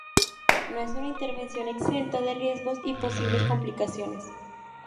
No es una intervención exenta de riesgos y posibles complicaciones.